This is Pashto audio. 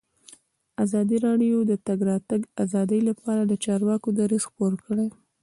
ازادي راډیو د د تګ راتګ ازادي لپاره د چارواکو دریځ خپور کړی.